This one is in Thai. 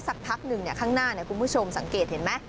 สักพักหนึ่งข้างหน้าคุณผู้ชมสังเกตเห็นไหม